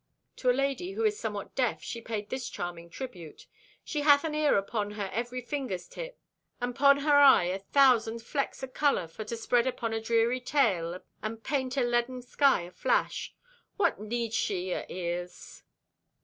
To a lady who is somewhat deaf she paid this charming tribute: "She hath an ear upon her every finger's tip, and 'pon her eye a thousand flecks o' color for to spread upon a dreary tale and paint a leaden sky aflash. What need she o' ears?"